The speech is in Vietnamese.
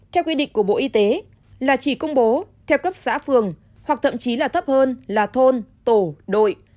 theo quy định của bộ y tế là chỉ công bố theo cấp xã phường hoặc thậm chí là thấp hơn là thôn tổ đội